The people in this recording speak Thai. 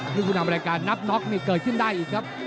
ซึ่งผู้นำรายการนับน็อกนี่เกิดขึ้นได้อีกครับ